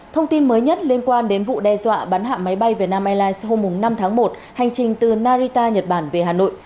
thông tin mới nhất liên quan đến vụ đe dọa bắn hạ máy bay vietnam airlines hôm năm tháng một hành trình từ narita nhật bản về hà nội